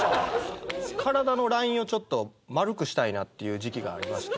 体のラインをちょっと丸くしたいなっていう時期がありまして。